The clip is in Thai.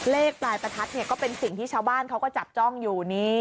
เลขปลายประทัดเนี่ยก็เป็นสิ่งที่ชาวบ้านเขาก็จับจ้องอยู่นี่